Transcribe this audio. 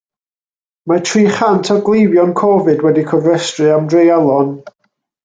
Mae tri chant o gleifion Covid wedi cofrestru am dreialon.